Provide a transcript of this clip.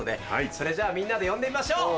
それじゃあみんなで呼んでみましょう。